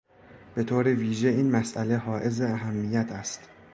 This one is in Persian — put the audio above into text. به طور ویژه این مساله حائز اهمیت است